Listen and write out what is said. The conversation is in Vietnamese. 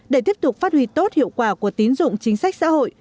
để tiếp tục phát huy tốt hiệu quả của tín dụng chính sách xã hội